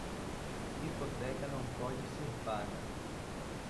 Hipoteca não pode ser paga